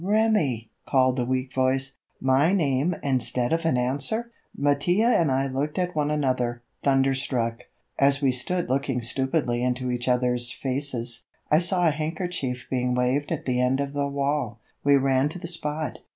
"Remi!" called a weak voice. My name instead of an answer! Mattia and I looked at one another, thunderstruck. As we stood looking stupidly into each other's faces, I saw a handkerchief being waved at the end of the wall. We ran to the spot.